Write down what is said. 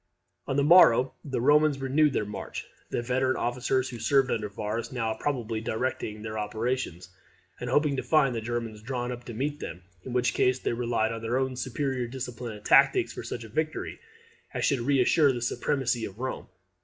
On the morrow the Romans renewed their march; the veteran officers who served under Varus now probably directing the operations, and hoping to find the Germans drawn up to meet them; in which case they relied on their own superior discipline and tactics for such a victory as should reassure the supremacy of Rome.